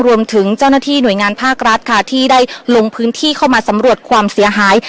รวมถึงเจ้าหน้าที่หน่วยงานภาครัฐค่ะที่ได้ลงพื้นที่เข้ามาสำรวจความเสียหาย